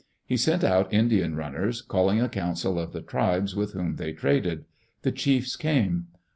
He sent out Indian runners, calling a council of the tribes with whom they traded. The chiefs came.